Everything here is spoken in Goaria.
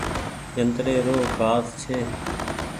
جنتري رو گآس ڇي۔